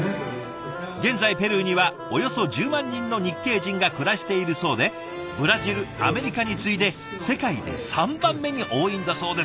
現在ペルーにはおよそ１０万人の日系人が暮らしているそうでブラジルアメリカに次いで世界で３番目に多いんだそうです。